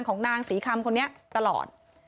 ของนางศรีคำคนนี้ตลอด